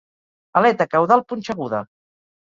Aleta caudal punxeguda.